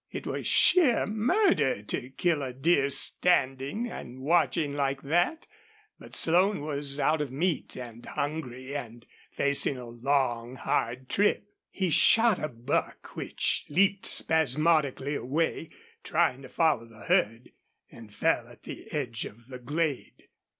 It was sheer murder to kill a deer standing and watching like that, but Slone was out of meat and hungry and facing a long, hard trip. He shot a buck, which leaped spasmodically away, trying to follow the herd, and fell at the edge of the glade.